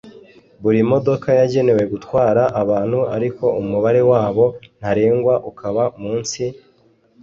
buri modoka yagenewe gutwara abantu ariko umubare wabo ntarengwa ukaba munsi